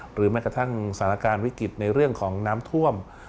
แม้กระทั่งสถานการณ์วิกฤตในเรื่องของน้ำท่วม